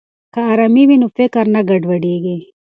که ارامي وي نو فکر نه ګډوډیږي.